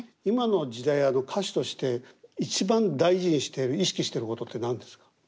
今の時代歌手として一番大事にしてる意識してることって何ですか？